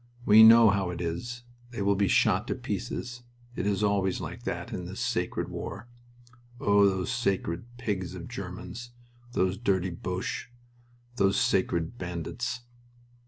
"We know how it is. They will be shot to pieces. It is always like that, in this sacred war. Oh, those sacred pigs of Germans! Those dirty Boches! Those sacred bandits!"